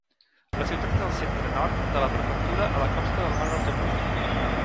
La ciutat és al centre-nord de la prefectura a la costa del mar del Japó.